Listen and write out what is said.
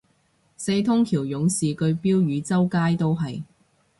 四通橋勇士句標語周街都係